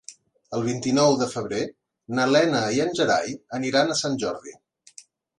El vint-i-nou de febrer na Lena i en Gerai aniran a Sant Jordi.